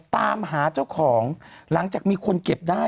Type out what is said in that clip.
ตามหาเจ้าของหลังจากมีคนเก็บได้